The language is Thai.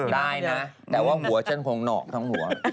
ได้นะแต่ว่าหัวฉันคงหนอกทั้งหัว